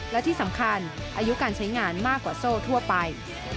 และที่สำคัญอายุการใช้งานมากกว่าโซ่ทั่วไป